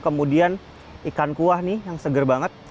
kemudian ikan kuah yang segar banget